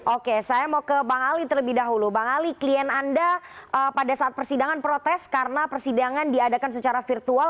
oke saya mau ke bang ali terlebih dahulu bang ali klien anda pada saat persidangan protes karena persidangan diadakan secara virtual